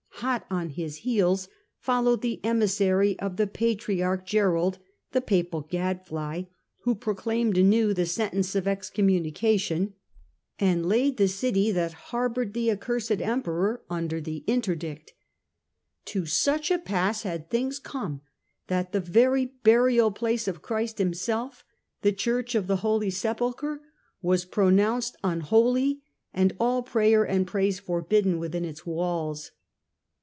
Hot on his heels followed the emissary of the Patriarch Gerold, the Papal gadfly, who proclaimed anew the sentence of excommuni G 98 STUPOR MUNDI cation and laid the city that harboured the accursed Emperor under the interdict. To such a pass had things come that the very burial place of Christ himself, the Church of the Holy Sepulchre, was pronounced un holy and all prayer and praise forbidden within its walls.